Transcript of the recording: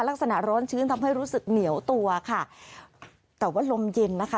ลักษณะร้อนชื้นทำให้รู้สึกเหนียวตัวค่ะแต่ว่าลมเย็นนะคะ